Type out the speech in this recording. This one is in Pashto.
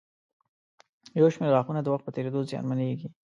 یو شمېر غاښونه د وخت په تېرېدو زیانمنېږي.